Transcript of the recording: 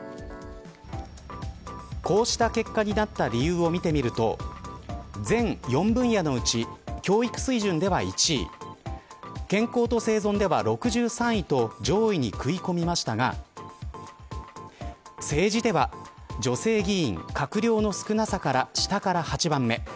こうした結果になった理由を見てみると全４分野のうち教育水準では１位健康と生存では６３位と上位に食い込みましたが政治では、女性議員閣僚の少なさから下から８番目。